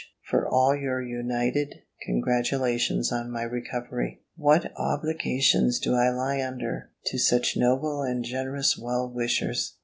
for all your united congratulations on my recovery. What obligations do I lie under to such noble and generous well wishers!